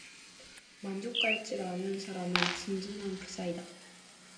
만족할 줄 아는 사람은 진정한 부자이다.